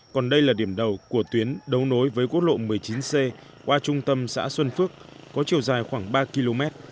còn đây là điểm đầu của tuyến đấu nối với quốc lộ một mươi chín c qua trung tâm xã xuân phước có chiều dài khoảng ba km